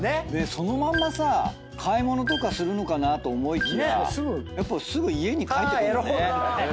そのまんまさ買い物とかするのかなと思いきやすぐ家に帰ってくる。